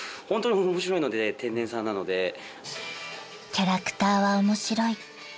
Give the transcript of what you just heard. ［「キャラクターは面白い」］